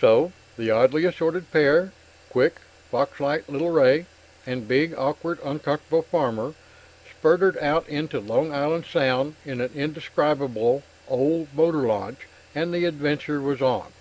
So the oddly assorted pair quick, foxlike little Ray and big, awkward, uncomfortable Farmer sputtered out into Long Island Sound in an indescribable old motor launch, and the adventure was on.